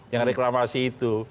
yang reklamasi itu